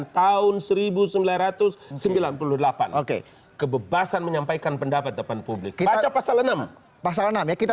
tahun seribu sembilan ratus sembilan puluh delapan oke kebebasan menyampaikan pendapat depan publik baca pasal enam pasal enam ya kita